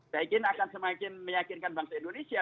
saya kira akan semakin meyakinkan bangsa indonesia